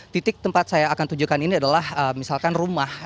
titik tempat saya akan tunjukkan ini adalah misalkan rumah